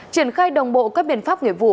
triển khai đồng bộ các biện pháp nghệ vụ